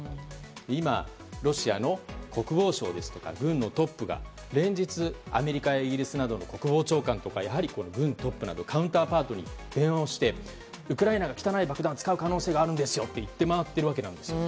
今、ロシアの国防相ですとか軍のトップが連日、アメリカやイギリスなどの国防長官とかやはり軍トップなどカウンターパートに電話をしてウクライナが汚い爆弾を使う可能性があるんですよと言って回っているわけですよ。